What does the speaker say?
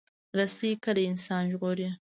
رسۍ کله انسان ژغوري.